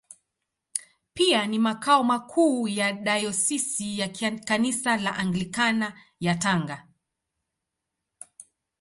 Pia ni makao makuu ya Dayosisi ya Kanisa la Anglikana ya Tanga.